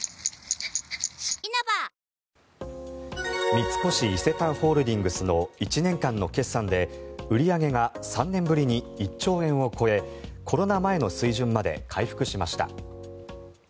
三越伊勢丹ホールディングスの１年間の決算で売り上げが３年ぶりに１兆円を超えコロナ前の水準まで回復しました。